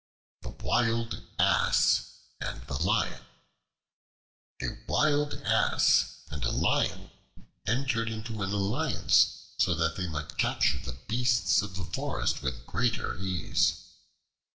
The Wild Ass and the Lion A WILD ASS and a Lion entered into an alliance so that they might capture the beasts of the forest with greater ease.